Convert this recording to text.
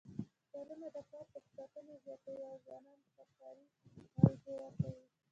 هوټلونه د کار فرصتونه زیاتوي او ځوانانو ته کاري موقع ورکوي.